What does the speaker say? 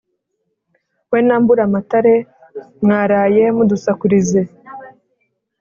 We na Mburamatare mwaraye mudusakurize